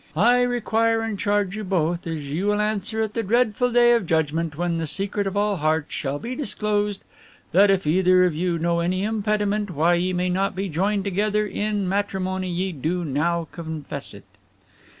"I require and charge you both as ye will answer at the dreadful Day of Judgment when the secret of all hearts shall be disclosed that if either of you know any impediment why ye may not be joined together in Matrimony ye do now confess it."